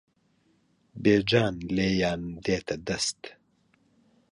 بێجان لێیان دێتە دەست